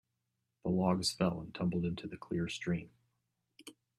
The logs fell and tumbled into the clear stream.